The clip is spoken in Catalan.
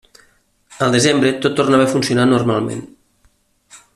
Al desembre tot tornava a funcionar normalment.